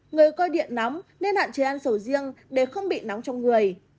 người coi điện nóng nên hạn chế ăn sổ riêng để không bị nóng trong người